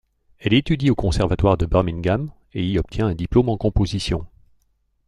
Elle étudie au Conservatoire de Birmingham et y obtient un diplôme en composition.